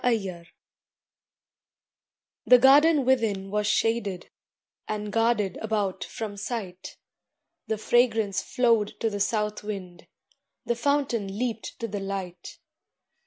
THISBE The garden within was shaded, And guarded about from sight; The fragrance flowed to the south wind, The fountain leaped to the light.